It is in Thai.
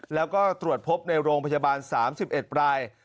แล้วก็ตรวจพบในโรงพยาบาล๓๑ราย